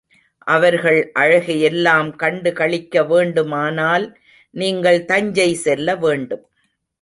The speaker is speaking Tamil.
அவர்கள் அழகை எல்லாம் கண்டுகளிக்க வேண்டுமானால் நீங்கள் தஞ்சை செல்ல வேண்டும்.